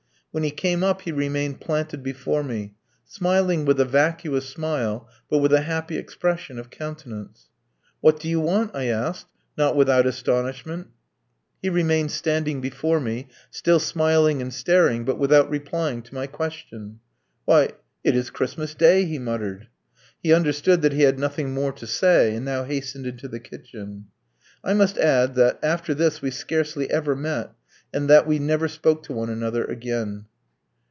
When he came up, he remained planted before me, smiling with a vacuous smile, but with a happy expression of countenance. "What do you want?" I asked, not without astonishment. He remained standing before me, still smiling and staring, but without replying to my question. "Why, it is Christmas Day," he muttered. He understood that he had nothing more to say, and now hastened into the kitchen. I must add that, after this we scarcely ever met, and that we never spoke to one another again.